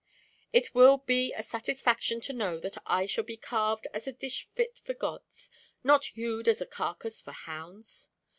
It will be a satisfaction to know that I shall be carved as a dish fit for gods, not hewed as a carcase for hounds.